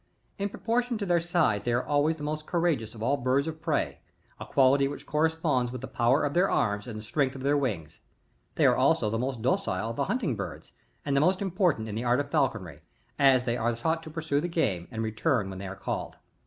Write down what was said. In proportion to their size they are the most conrageoutii of all birds of prey ; a quality which corresponds with the power of their arms and the strength of their wings. * They are also the most docile of the hunting birds, and the most in)portant in the art of falconry, as they are taught to pursue the game, and return when they are called.